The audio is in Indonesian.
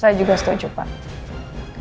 saya juga setuju pak